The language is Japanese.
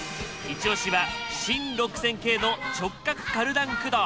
イチオシは新６０００系の直角カルダン駆動。